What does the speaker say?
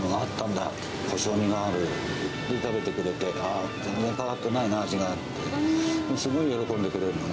で、食べてくれて、あー、全然変わってないな、味がって、すごい喜んでくれるのね。